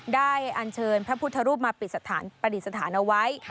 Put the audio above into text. ได้อนเชิญพระพุทธรูปมาปริสถานประดิษฐานเอาไว้